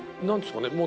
何ですかね